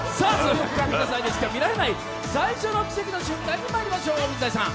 「感謝祭」でしか見られない最初の奇跡の瞬間にまいりましょう。